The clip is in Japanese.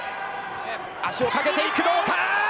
足をかけていく、どうか。